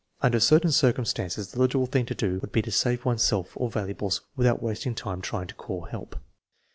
Under certain circumstances the logical thing to do would be to save one's self or valuables without wasting time try ing to call help.